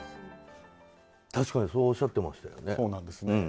確かにそうおっしゃってましたよね。